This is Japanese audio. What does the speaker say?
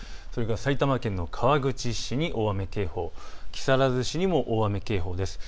埼玉県の川口市に大雨警報、木更津市にも大雨警報です。